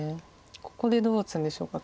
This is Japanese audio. ここでどう打つんでしょうか。